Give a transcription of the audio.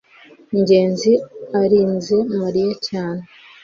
ngenzi arinze mariya cyane